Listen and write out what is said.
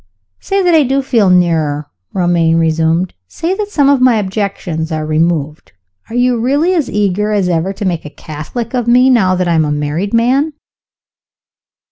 "Say that I do feel nearer," Romayne resumed "say that some of my objections are removed are you really as eager as ever to make a Catholic of me, now that I am a married man?"